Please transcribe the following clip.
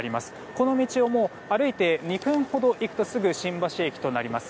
この道を歩いて２分ほど行くとすぐに新橋駅となります。